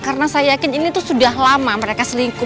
karena saya yakin ini tuh sudah lama mereka selingkuh